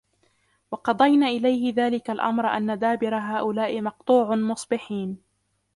وَقَضَيْنَا إِلَيْهِ ذَلِكَ الْأَمْرَ أَنَّ دَابِرَ هَؤُلَاءِ مَقْطُوعٌ مُصْبِحِينَ